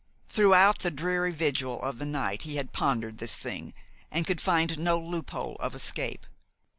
Throughout the dreary vigil of the night he had pondered this thing, and could find no loophole of escape.